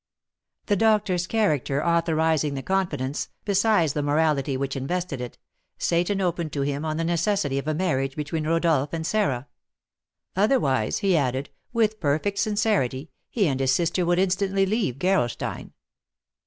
The doctor's character authorising the confidence, besides the morality which invested it, Seyton opened to him on the necessity of a marriage between Rodolph and Sarah; otherwise, he added, with perfect sincerity, he and his sister would instantly leave Gerolstein.